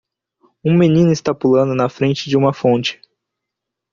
Um menino está pulando na frente de uma fonte.